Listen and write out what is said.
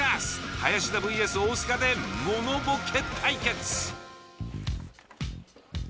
林田ｖｓ大須賀でモノボケ対決。